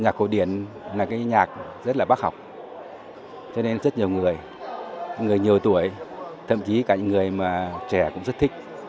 nhạc cổ điển là cái nhạc rất là bác học cho nên rất nhiều người người nhiều tuổi thậm chí cả những người mà trẻ cũng rất thích